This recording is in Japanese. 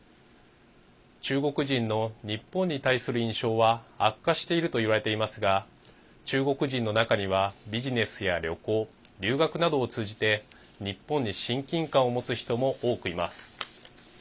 中国人の日本に対する印象は悪化しているといわれていますが中国人の中にはビジネスや旅行留学などを通じて日本に親近感を持つ人も多くいます。